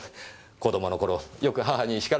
子供の頃よく母にしかられました。